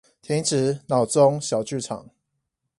停止腦中小劇場